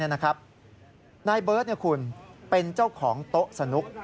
นายเบิร์ตคุณเป็นเจ้าของโต๊ะสนุก